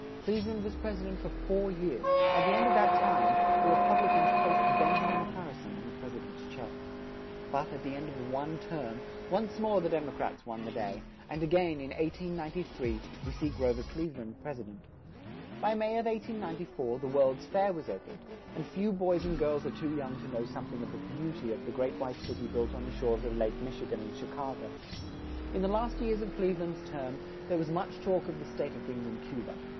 Cleve land was pres i dent for four years; at the end of that time, the Re pub li cans placed Ben ja min Har ri son in the pres i dent's chair. But, at the end of one term, once more the Dem o crats won the day; and a gain, in 1893, we see Gro ver Cleve land pres i dent. In May of 1894, the World's Fair was o pened; and few boys and girls are too young to know some thing of the beau ty of the Great White Cit y built on the shores of Lake Mich i gan in Chi ca go. In the last years of Cleve land's term, there was much talk of the state of things in Cu ba.